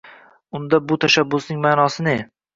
Unda bu tashabbusning ma’nosi ne?